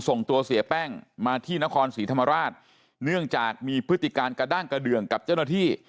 ส่งตัวเสียแป้งมาที่นครศรีธรรมราชเนื่องจากมีพฤติการกระด้างกระเดืองกับเจ้าหน้าที่